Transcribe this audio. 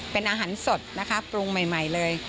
เป็นอาหารสดนะคะปรุงใหม่เลย